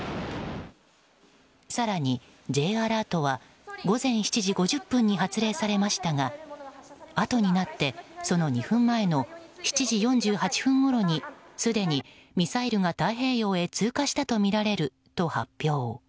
更に、Ｊアラートは午前７時５０分に発令されましたがあとになって、その２分前の７時４８分ごろにすでにミサイルが太平洋へ通過したとみられると発表。